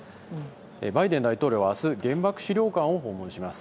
バイデン大統領は明日原爆資料館を訪問します。